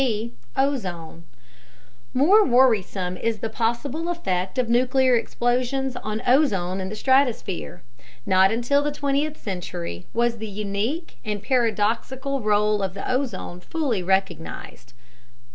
B. Ozone More worrisome is the possible effect of nuclear explosions on ozone in the stratosphere. Not until the 20th century was the unique and paradoxical role of ozone fully recognized.